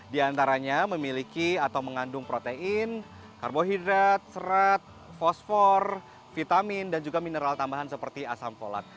di antaranya memiliki atau mengandung protein karbohidrat serat fosfor vitamin dan juga mineral tambahan seperti asam folat